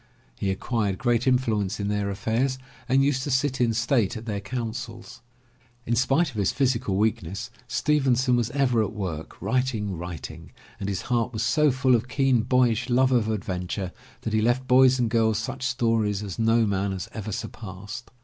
He acquired great influence in their affairs and used to sit in state at their councils. In spite of his physical weakness, Stevenson was ever at work, writing, writing, and his heart was so full of keen boyish love of adventure that he left boys and girls such stories as no man has ever surpassed.